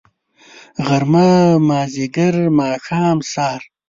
غرمه . مازدیګر . ماښام .. سهار